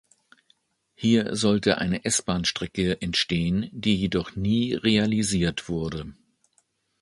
Hier sollte eine S-Bahn-Strecke entstehen, die jedoch nie realisiert wurde.